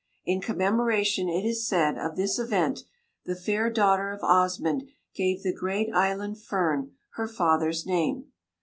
In commemoration, it is said, of this event, the fair daughter of Osmund gave the great island fern her father's name.